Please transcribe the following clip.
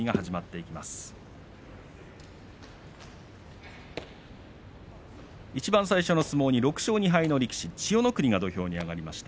いちばん最初の相撲に６勝２敗の力士、千代の国が土俵に上がりました。